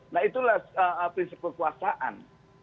nah itulah prinsip berkuasaan